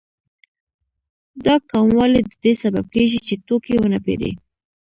دا کموالی د دې سبب کېږي چې توکي ونه پېري